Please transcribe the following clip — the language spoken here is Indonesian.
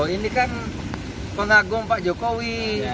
ini kan konagung pak jokowi